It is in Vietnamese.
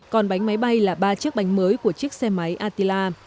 còn bánh máy bay là ba chiếc bánh mới của chiếc xe máy atila